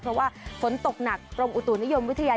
เพราะว่าฝนตกหนักกรมอุตุนิยมวิทยา